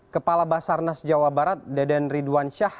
kepala basarnas jawa barat deden ridwan syah